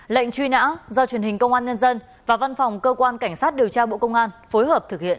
lệnh truy nã do truyền hình công an nhân dân và văn phòng cơ quan cảnh sát điều tra bộ công an phối hợp thực hiện